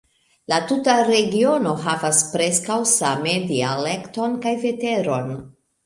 La tuta regiono havas preskaŭ same dialekton kaj veteron.